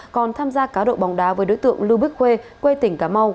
còn tham gia cá độ bóng đá với đối tượng lưu bức khuê quê tỉnh cá mau